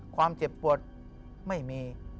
ความเจ็บปวดไม่มี